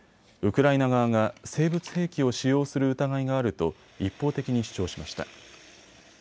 ウクライナ側が生物兵器を使用する疑いがあると一方的に主張しました。